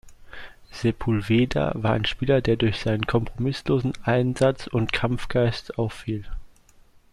Sepúlveda war ein Spieler, der durch seinen kompromisslosen Einsatz und Kampfgeist auffiel.